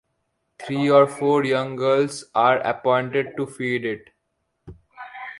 Three or four young girls are appointed to feed it.